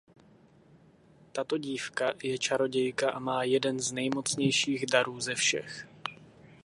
Tato dívka je čarodějka a má jeden z nejmocnějších darů ze všech.